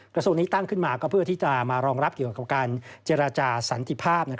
กระทรวงนี้ตั้งขึ้นมาก็เพื่อที่จะมารองรับเกี่ยวกับการเจรจาสันติภาพ